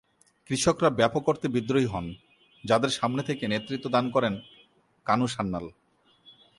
কৃষকরা ব্যপক অর্থে বিদ্রোহী হন যাদের সামনে থেকে নেতৃত্ব দান করেন কানু সান্যাল।